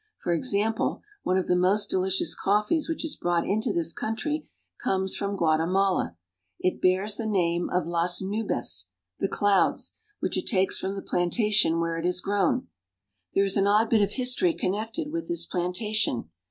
For example, one of the most delicious coffees which is brought into this country comes from Guatemala. It bears the name of "Las Nubes" (The Clouds), which it takes from the plantation where it is grown. There is an odd bit of history connected with this plantation.